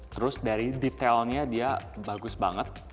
terus dari detailnya dia bagus banget